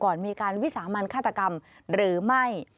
มีการวิสามันฆาตกรรมหรือไม่